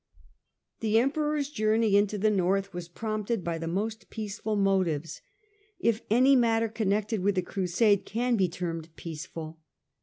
The Emperor's journey into the North was prompted by the most peaceful motives, if any matter connected with a Crusade can be termed peaceful.